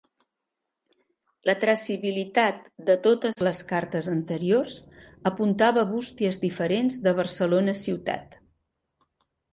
La traçabilitat de totes les cartes anteriors apuntava a bústies diferents de Barcelona ciutat.